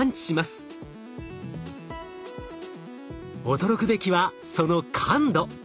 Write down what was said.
驚くべきはその感度。